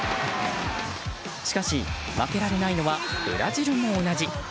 しかし、負けられないのはブラジルも同じ。